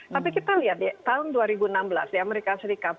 tapi kita lihat tahun dua ribu enam belas di amerika serikat